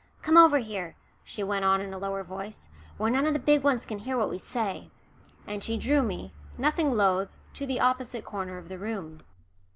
"Come over here," she went on in a lower voice, "where none of the big ones can hear what we say," and she drew me, nothing loth, to the opposite corner of the room.